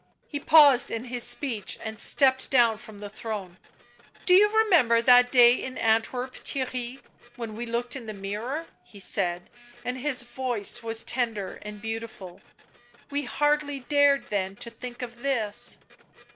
He paused in his speech and stepped down from the throne. " Do you remember that day in Antwerp, Theirry, when we looked in the mirror?" he said, and his voice was tender and beautiful ;" we hardly dared then to think of this."